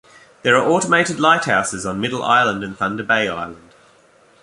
There are automated lighthouses on Middle Island and Thunder Bay Island.